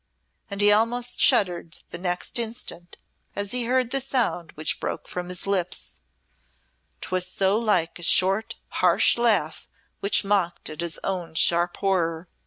and he almost shuddered the next instant as he heard the sound which broke from his lips, 'twas so like a short, harsh laugh which mocked at his own sharp horror.